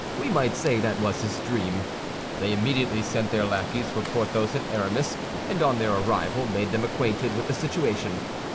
We might say that was his dream. They immediately sent their lackeys for Porthos and Aramis, and on their arrival made them acquainted with the situation.